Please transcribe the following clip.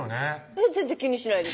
いや全然気にしないです